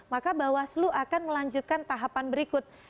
maka bawaslu akan melanjutkan tahapan berikut